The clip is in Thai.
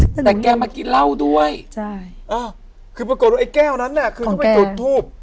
แต่แกมากินเล่าด้วยใช่อ่าคือปรากฏว่าไอ้แก้วนั้นแหละของแกคือมาจุดทูป